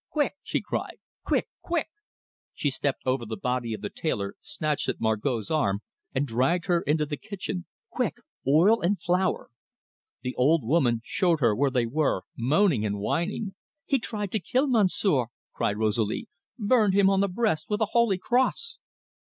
Quick!" she cried. "Quick! Quick!" She stepped over the body of the tailor, snatched at Margot's arm, and dragged her into the kitchen. "Quick oil and flour!" The old woman showed her where they were, moaning and whining. "He tried to kill Monsieur," cried Rosalie, "burned him on the breast with the holy cross!"